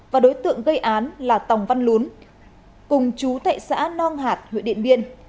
và đối tượng gây án là tòng văn lún cùng chú tại xã long hẹt huyện điện biên